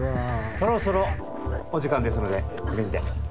そろそろお時間ですのでこれにて。